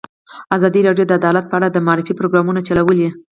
ازادي راډیو د عدالت په اړه د معارفې پروګرامونه چلولي.